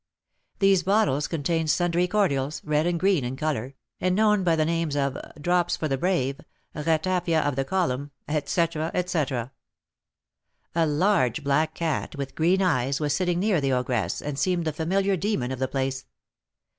These bottles contained sundry cordials, red and green in colour, and known by the names of "Drops for the Brave," "Ratafia of the Column," etc., etc. A large black cat, with green eyes, was sitting near the ogress, and seemed the familiar demon of the place.